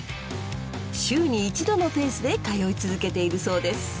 週に一度のペースで通い続けているそうです。